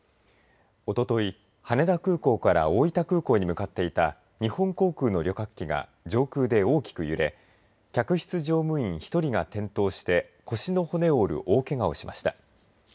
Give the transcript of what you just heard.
おととい羽田空港から大分空港に向かっていた日本航空の旅客機が上空で大きく揺れ客室乗務員１人が転倒して腰の骨を折る大けがをしました。